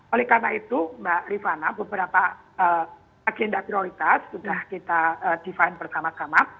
oleh karena itu mbak rifana beberapa agenda prioritas sudah kita define bersama sama